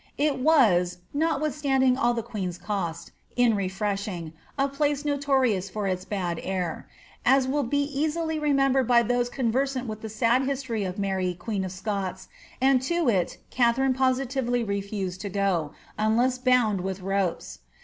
It was, notwithstanding all the queeoli cost *•*• in refreshing," a place notorious for its bad air ; as will be easilv remembered by those conversant with the sad history of Mary queen oif Scots, and to it Katharine positively refused to go, ^ unless bound with ropes."